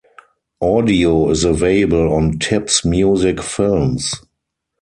Audio is available on Tips Music Films.